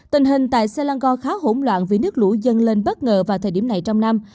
tình hình tại selagor khá hỗn loạn vì nước lũ dần lên bất ngờ vào thời điểm này trong năm